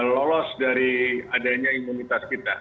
lolos dari adanya imunitas kita